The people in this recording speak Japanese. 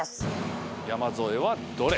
山添はどれ？